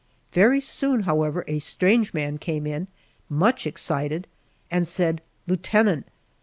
Very soon, however, a strange man came in, much excited, and said, "Lieutenant!